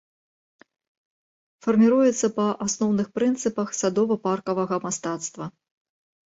Фарміруецца па асноўных прынцыпах садова-паркавага мастацтва.